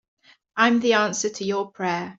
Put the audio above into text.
I'm the answer to your prayer.